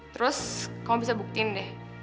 terus kamu bisa buktiin deh